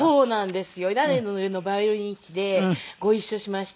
『屋根の上のバイオリン弾き』でご一緒しまして。